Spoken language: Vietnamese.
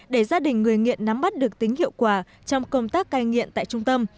để gia đình người nghiện nắm bắt được tính hiệu quả trong công tác cai nghiện tại trung tâm